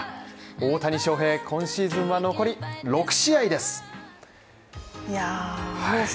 大谷翔平、今シーズンは残り６試合です。